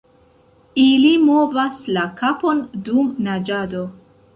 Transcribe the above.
Ili movas la kapon dum naĝado.